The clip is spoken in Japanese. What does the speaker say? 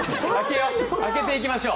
開けていきましょう。